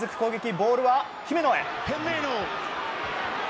ボールは姫野へ。